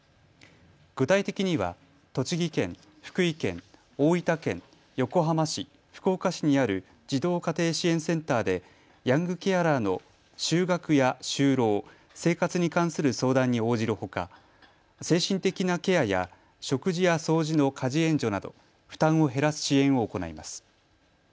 具体的には栃木県、福井県、大分県、横浜市、福岡市にある児童家庭支援センターでヤングケアラーの就学や就労、生活に関する相談に応じるほか精神的なケアや食事や掃除の家事援助など負担を減らす支援を行います。